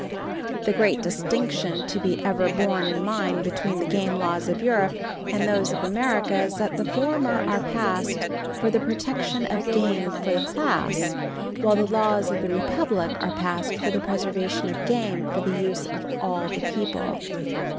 The great distinction to be ever borne in mind between the game laws of Europe and those of America is, that the former were passed for the protection of game for a class, while the laws of a republic are passed for the preservation of game for the use of all the people.